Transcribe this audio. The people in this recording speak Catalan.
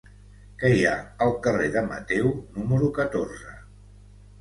Què hi ha al carrer de Mateu número catorze?